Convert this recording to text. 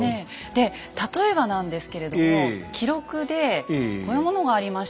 で例えばなんですけれども記録でこういうものがありました。